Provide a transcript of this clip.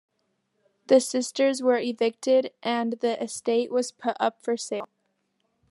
The sisters were evicted and the estate was put up for sale.